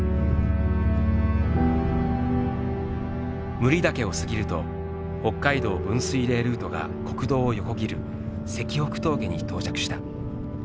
武利岳を過ぎると北海道分水嶺ルートが国道を横切る石北峠に到着した。